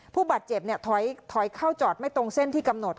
ผู้บาดเจ็บถอยเข้าจอดไม่ตรงเส้นที่กำหนด